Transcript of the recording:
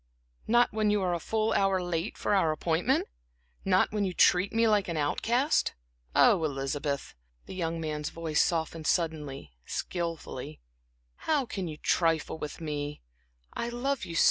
"Not when you are a full hour late for our appointment? Not when you treat me like an outcast? Oh, Elizabeth," the young man's voice softened suddenly, skillfully "how can you trifle with me so, when I love you?"